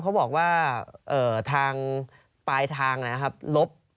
เขาบอกว่าปลายทางนะครับ